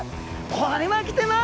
これはきてます！